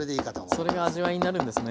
それが味わいになるんですね。